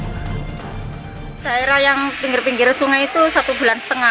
pembangunan air yang berada di pinggir pinggir sungai itu satu lima bulan